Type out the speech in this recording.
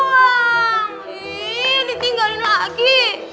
ih ditinggalin lagi